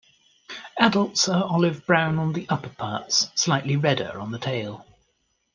Adults are olive-brown on the upperparts, slightly redder on the tail.